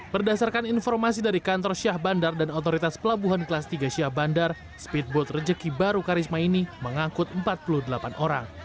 berdasarkan informasi dari kantor syah bandar dan otoritas pelabuhan kelas tiga syah bandar speedboat rejeki baru karisma ini mengangkut empat puluh delapan orang